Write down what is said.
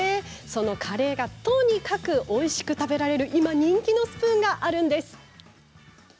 そのカレーがとにかくおいしく食べられる今人気のスプーンがあるんです。